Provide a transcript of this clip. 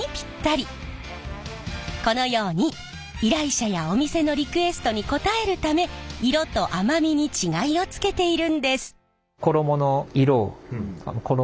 このように依頼者やお店のリクエストに応えるため色と甘みに違いをつけているんです！